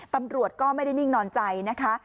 ตำรวจก็ไม่ได้นิ่งนอนใจนะคะ